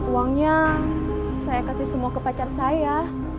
uangnya saya kasih semua ke pacar saya